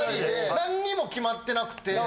何にも決まってなくて。